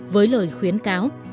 với lời khuyến cáo